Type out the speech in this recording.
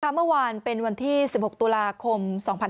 เมื่อวานเป็นวันที่๑๖ตุลาคม๒๕๖๒